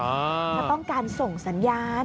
แล้วก็ต้องการส่งสัญญาณ